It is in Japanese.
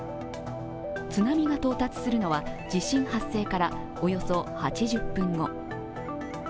津波が到達するのは地震発生からおよそ８０分後。